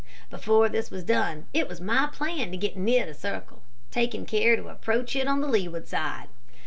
Before this was done it was my plan to get near the circle, taking care to approach it on the leeward side.